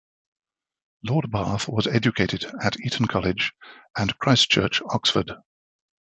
Lord Bath was educated at Eton College and Christ Church, Oxford.